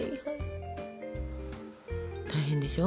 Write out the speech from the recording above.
大変でしょ？